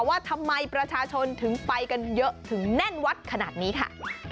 ว่าทำไมประชาชนถึงไปกันเยอะถึงแน่นวัดขนาดนี้ค่ะ